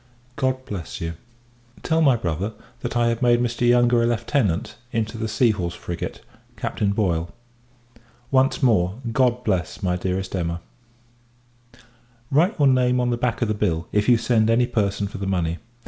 God bless you! Tell my brother, that I have made Mr. Yonge a Lieutenant, into the Sea horse frigate, Captain Boyle. Once more, God bless my dearest Emma! Write your name on the back of the bill, if you send any person for the money.